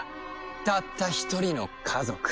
たった一人の家族。